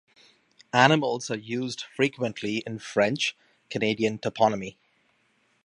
Animals are used frequently in French Canadian toponymy.